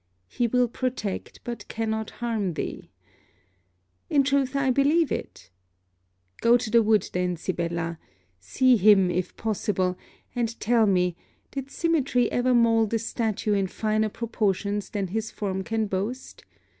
'He will protect, but cannot harm thee.' In truth, I believe it. Go to the wood then, Sibella. See him, if possible; and tell me, did symmetry ever mould a statue in finer proportions than his form can boast?